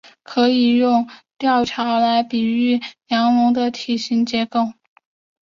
可以用吊桥来比喻梁龙的体型结构。